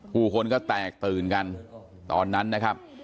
ผู้คนก็แตกตื่นกันตอนนั้นนะครับ